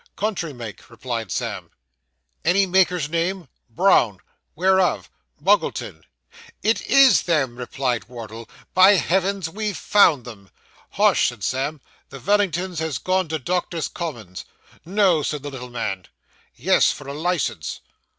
'Country make,' replied Sam. 'Any maker's name?' 'Brown.' 'Where of?' 'Muggleton. 'It is them,' exclaimed Wardle. 'By heavens, we've found them.' 'Hush!' said Sam. 'The Vellingtons has gone to Doctors' Commons.' 'No,' said the little man. 'Yes, for a licence.